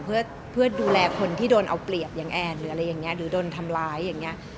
เพื่อดูแลคนที่โดนเอาเปรียบอย่างแอนหรืออะไรอย่างนี้หรือโดนทำร้ายอย่างนี้